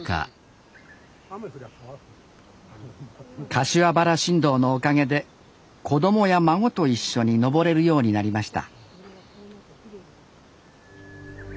柏原新道のおかげで子供や孫と一緒に登れるようになりました